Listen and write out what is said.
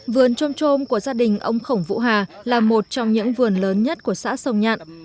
vườn trôm trôm của gia đình ông khổng vũ hà là một trong những vườn lớn nhất của xã sông nhạn